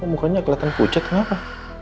kok mukanya kelihatan pucat kenapa